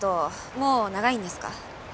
もう長いんですか？